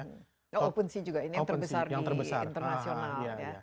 oh opensea juga ini yang terbesar di internasional ya